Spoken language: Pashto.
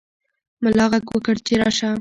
ملا غږ وکړ چې راشه.